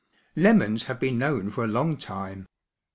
Lemons have been known for a long time.